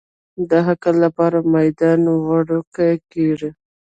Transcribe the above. د عقل لپاره میدان وړوکی کېږي.